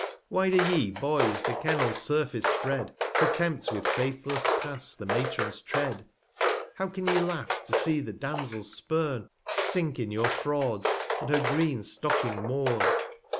Why do ye, Boys, the Kennel's Surface spread, To tempt with faithless Pass the Matron's Tread ? How can ye Laugh, to see the Damsel spurn, 2 1 1 Sink in your Frauds and her green Stocking mourn?